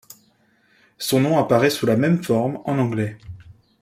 Son nom apparaît sous la même forme en anglais.